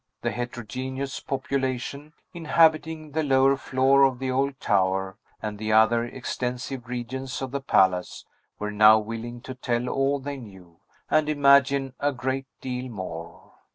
The heterogeneous population, inhabiting the lower floor of the old tower, and the other extensive regions of the palace, were now willing to tell all they knew, and imagine a great deal more.